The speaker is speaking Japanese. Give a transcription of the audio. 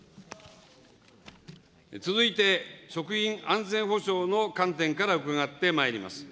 続いて、食品安全保障の観点から伺ってまいります。